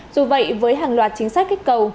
dù vậy với hàng loạt chính sách kích cầu